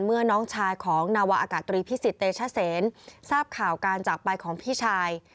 น้องชายของนาวาอากาศตรีพิสิทธิเตชเซนทราบข่าวการจากไปของพี่ชาย